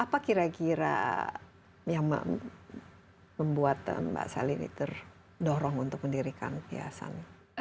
apa kira kira yang membuat mbak sali ini terdorong untuk mendirikan hiasan